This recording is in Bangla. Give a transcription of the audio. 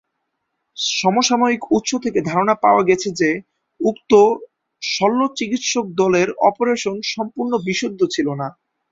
সমসাময়িক উৎস থেকে ধারণা পাওয়া গেছে যে উক্ত শল্যচিকিৎসক দলের অপারেশন সম্পূর্ণ বিশুদ্ধ ছিল না।